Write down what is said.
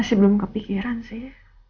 masih belum kepikiran sih